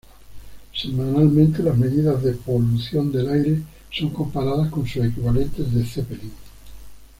Semanalmente las medidas de polución del aire son comparadas con sus equivalentes de Zeppelin.